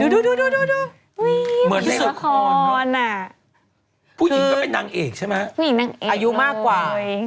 ดูเหมือนที่สุดผู้หญิงก็เป็นนางเอกใช่ไหมอายุมากกว่า